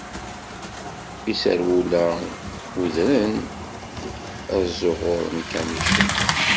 Iserwula udren, ad ẓuɣuren ikanicen.